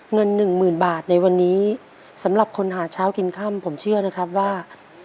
หนึ่งหมื่นบาทในวันนี้สำหรับคนหาเช้ากินค่ำผมเชื่อนะครับว่า